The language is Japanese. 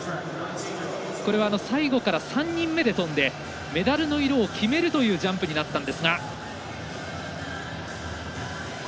これは、最後から３人目で跳んでメダルの色を決めるというジャンプになったんですが。